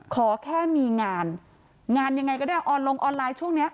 ขอแค่มีงานงานยังไงก็ได้ออนลงออนไลน์ช่วงนี้